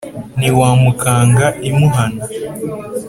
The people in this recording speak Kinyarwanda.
ntiwamukanga i muhana.